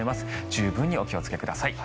十分にお気をつけください。